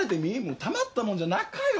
もうたまったもんじゃなかよ。